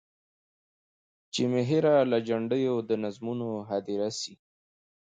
چي مي هېره له جنډیو د نظمونو هدیره سي.